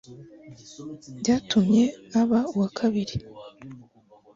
byatumye aba uwa kabiri